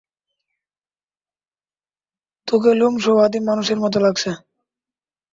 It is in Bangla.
তোকে লোমশও আদিম মানুষের মত লাগছে?